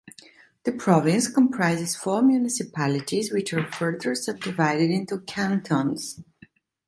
The province comprises four municipalities which are further subdivided into cantons.